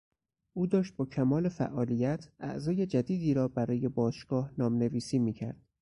او داشت با کمال فعالیت اعضای جدیدی را برای باشگاه نام نویسی میکرد.